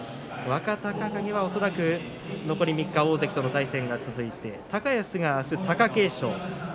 若隆景は恐らく、残り３日大関との対戦が続いて高安が、あす貴景勝。